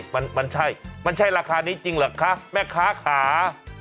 มันใช่มันใช่ราคานี้จริงเหรอคะแม่ค้าขา